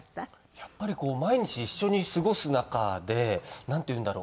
やっぱりこう毎日一緒に過ごす中でなんていうんだろう